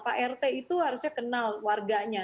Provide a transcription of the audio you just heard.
pak rt itu harusnya kenal warganya